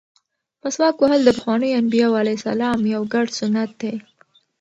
مسواک وهل د پخوانیو انبیاوو علیهم السلام یو ګډ سنت دی.